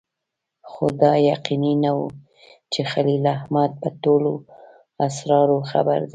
خو دا یقیني نه وه چې خلیل احمد په ټولو اسرارو خبر دی.